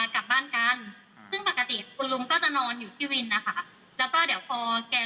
เขาบอกว่าเขาก็ดื่มเป็นปกติของเขาอยู่แล้วอ่ะค่ะ